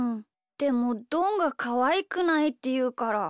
でもどんが「かわいくない」っていうから。